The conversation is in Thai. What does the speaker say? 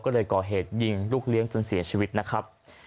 ก็เลยก่อเหตุยิงลูกเลี้ยงจนเสียชีวิตนะครับ